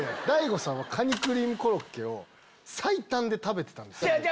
大悟さんはカニクリームコロッケ最短で食べてたんですよ。